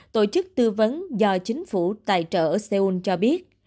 tổ chức tư vấn do chính phủ tài trợ ở seoul cho biết